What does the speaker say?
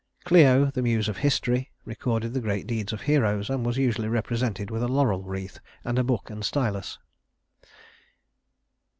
Clio, the Muse of history, recorded the great deeds of heroes, and was usually represented with a laurel wreath, and a book and stylus.